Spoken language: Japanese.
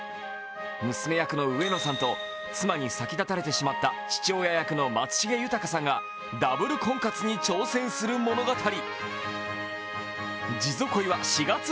娘役の上野さんと妻に先立たれてしまった父親役の松重豊さんがダブル婚活に挑戦する物語。